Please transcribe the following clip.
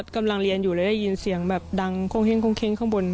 กำลังเรียนอยู่แล้วยินเสียงดังโค้งเค้งข้างบน